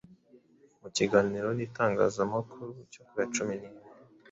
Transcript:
mu kiganiro n’itangazamakuru cyo kuya cumi nimwe